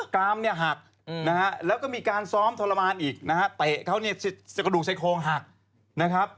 กามหักแล้วก็มีการซ้อมทรมานอีกเตะเขาสิกระดูกใช้โครงหัก